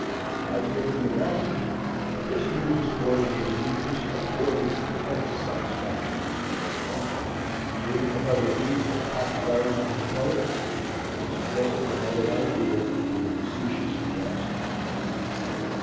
As may be imagined, this new disclosure of weakness afforded intense satisfaction to Sierra Flat, gave another lease of popularity to the poet, and suggested another idea to the facetious "Boston."